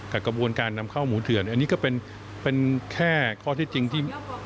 กระบวนการนำเข้าหมูเถื่อนอันนี้ก็เป็นแค่ข้อที่จริงที่